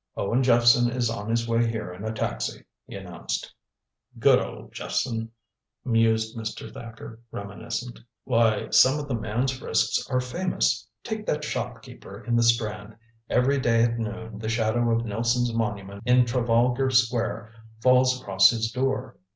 "Owen Jephson is on his way here in a taxi," he announced. "Good old Jephson," mused Mr. Thacker, reminiscent. "Why, some of the man's risks are famous. Take that shopkeeper in the Strand every day at noon the shadow of Nelson's Monument in Trafalgar Square falls across his door.